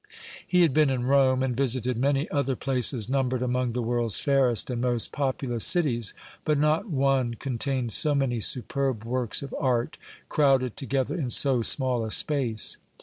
He had been in Rome, and visited many other places numbered among the world's fairest and most populous cities; but not one contained so many superb works of art crowded together in so small a space.